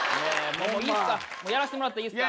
もうやらしてもらっていいっすか？